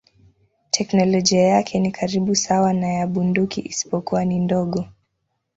Teknolojia yake ni karibu sawa na ya bunduki isipokuwa ni ndogo.